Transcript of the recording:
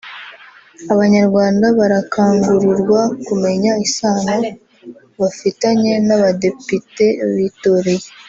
Abanyarwanda barakangurirwa kumenya isano bafitanye n’abadepite bitoreye